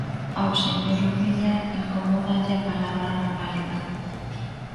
Ao señor Ubiña incomódalle a palabra reválida.